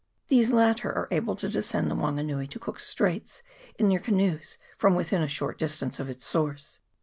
These latter are able to descend the Wan ganui to Cook's Straits in their canoes from within a short distance of its source.